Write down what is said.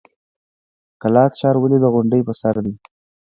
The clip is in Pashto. قلات ښار ولې د غونډۍ په سر دی؟